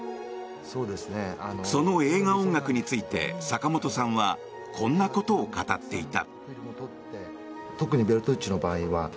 その映画音楽について坂本さんはこんなことを語っていた。